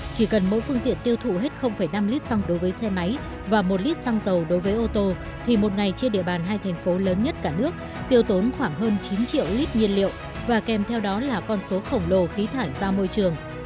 chỉ cần mỗi phương tiện tiêu thụ hết năm lít xăng đối với xe máy và một lít xăng dầu đối với ô tô thì một ngày trên địa bàn hai thành phố lớn nhất cả nước tiêu tốn khoảng hơn chín triệu lít nhiên liệu và kèm theo đó là con số khổng lồ khí thải ra môi trường